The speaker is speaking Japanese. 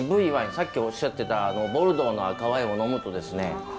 さっきおっしゃってたボルドーの赤ワインを呑むとですね